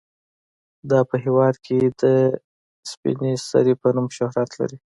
دا په هیواد کې د سپینې سرې په نوم شهرت لري.